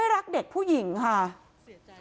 กลัวโดนตีอ้าว